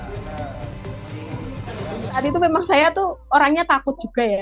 saat itu memang saya tuh orangnya takut juga ya